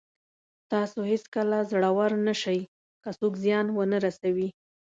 تاسو هېڅکله زړور نه شئ که څوک زیان ونه رسوي.